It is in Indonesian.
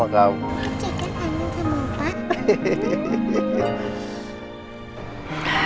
saya kan kangen sama omah